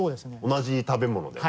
同じ食べ物でも。